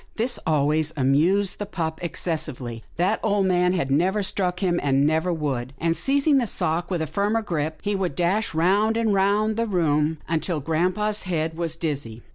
" This always amused the pup excessively. That old man had never struck him, and never would, and, seizing the sock with a firmer grip, he would dash round and round the room until grampa's head was dizzy.